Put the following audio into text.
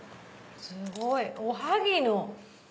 すごいおはぎの。